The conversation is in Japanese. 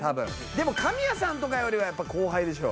でも神谷さんとかよりはやっぱ後輩でしょ。